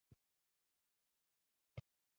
Hy kundige oan dat er him net kandidaat stelle sil.